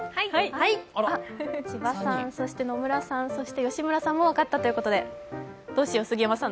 千葉さん、そして野村さん、そして吉村さんも分かったということで、どうしよう、杉山さん。